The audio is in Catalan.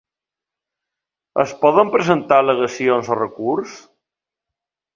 Es poden presentar al·legacions o recurs?